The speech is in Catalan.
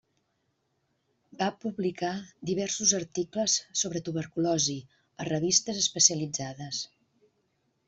Va publicar diversos articles sobre tuberculosi a revistes especialitzades.